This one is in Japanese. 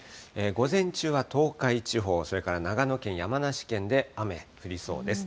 午前中は東海地方、それから長野県、山梨県で雨、降りそうです。